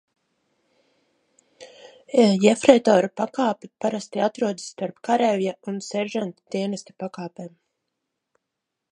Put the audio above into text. Jefreitora pakāpe parasti atrodas starp kareivja un seržanta dienesta pakāpēm.